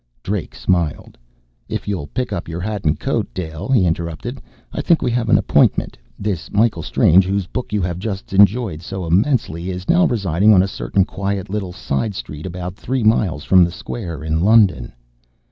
Drake smiled. "If you'll pick up your hat and coat, Dale," he interrupted, "I think we have an appointment. This Michael Strange, whose book you have just enjoyed so immensely, is now residing on a certain quiet little side street about three miles from the square, in London!"